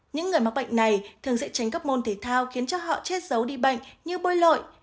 những người mắc bệnh này thường sẽ tránh các môn thể thao khiến cho họ chết giấu đi bệnh như bôi lội